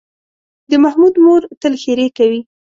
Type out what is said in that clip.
د محمود مور تل ښېرې کوي.